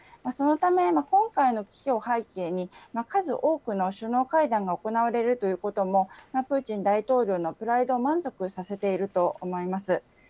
そのため、今回の危機を背景に、数多くの首脳会談が行われるということも、プーチン大統領のプライドを満足させていると思います。